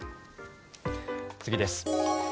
次です。